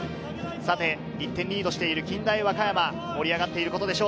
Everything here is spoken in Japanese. １点リードしている近大和歌山、盛り上がっていることでしょう。